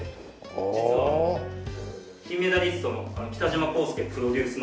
実は金メダリストの北島康介プロデュースの。